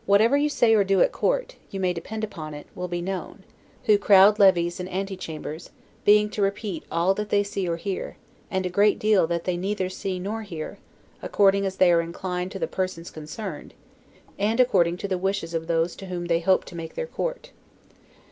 Whatever you say or do at court, you may depend upon it, will be known; the business of most of those, who crowd levees and antichambers, being to repeat all that they see or hear, and a great deal that they neither see nor hear, according as they are inclined to the persons concerned, or according to the wishes of those to whom they hope to make their court.